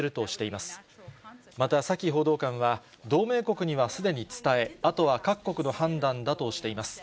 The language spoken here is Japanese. またサキ報道官は、同盟国にはすでに伝え、あとは各国の判断だとしています。